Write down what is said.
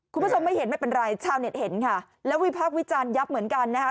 คุณผู้ชมไม่เห็นไม่เป็นไรชาวเน็ตเห็นค่ะแล้ววิพากษ์วิจารณ์ยับเหมือนกันนะคะ